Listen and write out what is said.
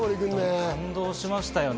感動しましたよね。